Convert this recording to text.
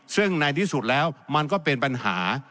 ซึ่งในที่สุดแล้วมันก็เป็นปัญหา